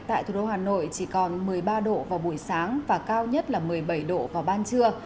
tại thủ đô hà nội chỉ còn một mươi ba độ vào buổi sáng và cao nhất là một mươi bảy độ vào ban trưa